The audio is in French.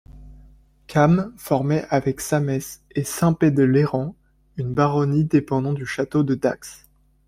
Came formait avec Sames et Saint-Pé-de-Léren une baronnie dépendant du château de Dax.